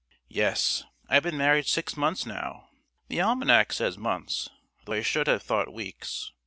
Yes, I've been married six months now the almanack says months, though I should have thought weeks.